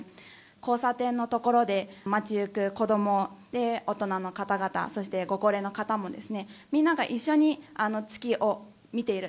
交差点の所で街行く子ども、大人の方々、そしてご高齢の方も、みんなが一緒に月を見ている。